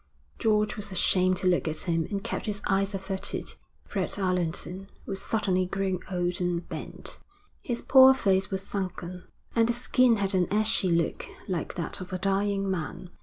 George was ashamed to look at him and kept his eyes averted. Fred Allerton was suddenly grown old and bent; his poor face was sunken, and the skin had an ashy look like that of a dying man.